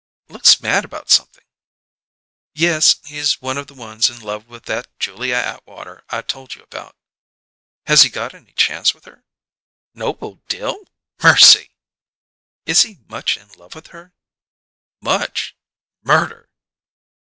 "Looks mad about something." "Yes. He's one of the ones in love with that Julia Atwater I told you about." "Has he got any chance with her?" "Noble Dill? Mercy!" "Is he much in love with her?" "'Much'? _Murder!